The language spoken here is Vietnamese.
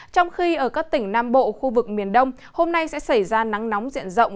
trong khi ở các tỉnh nam bộ khu vực miền đông hôm nay sẽ xảy ra nắng nóng diện rộng